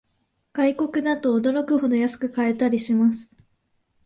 外国だと驚くほど安く買えたりします